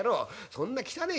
そんな汚え